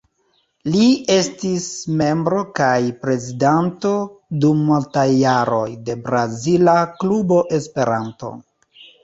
Li estis membro kaj prezidanto, dum multaj jaroj, de Brazila Klubo Esperanto.